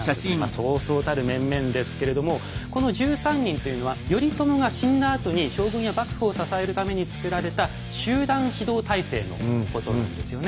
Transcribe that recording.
そうそうたる面々ですけれどもこの１３人というのは頼朝が死んだあとに将軍や幕府を支えるために作られた集団指導体制のことなんですよね。